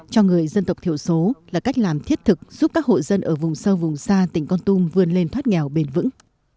cho người dân tộc thiểu số là cách làm thiết thực giúp các hộ dân ở vùng sâu vùng xa tỉnh con tum vươn lên thoát nghèo bền vững